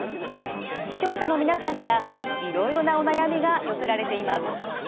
視聴者の皆さんからいろいろなお悩みが寄せられています。